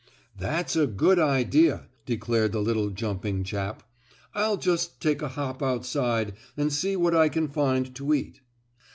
"That's a good idea," declared the little jumping chap. "I'll just take a hop outside and see what I can find to eat."